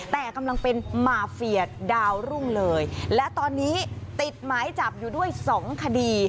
แต่กำลังเป็นมาเฟียดาวรุ่งเลยและตอนนี้ติดหมายจับอยู่ด้วยสองคดี